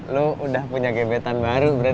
lo udah punya gebetan baru berarti